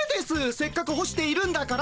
せっかく干しているんだから。